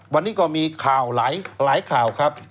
วันนี้ก็มีข่าวหลายข่าวครับ